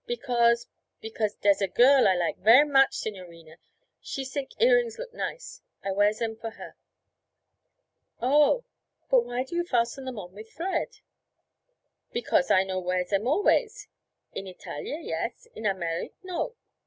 'Because because der's a girl I like ver' much, signorina; she sink earrings look nice. I wear zem for her.' 'Oh! But why do you fasten them on with thread?' 'Because I no wear zem always. In Italia, yes; in Amerik', no.